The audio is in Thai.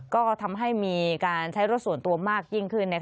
ก็ทำให้มีการใช้รถส่วนตัวมากยิ่งขึ้น